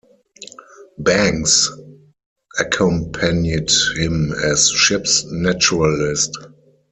Banks accompanied him as ship's naturalist.